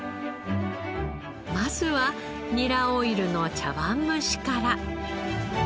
まずはニラオイルの茶わん蒸しから。